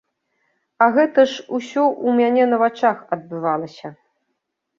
А гэта ж усё ў мяне на вачах адбывалася.